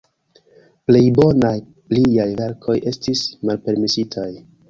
Plej bonaj liaj verkoj estis malpermesitaj.